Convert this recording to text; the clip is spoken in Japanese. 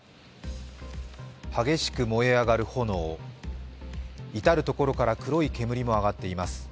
激しく燃え上がる炎、至る所から黒い煙も上がっています。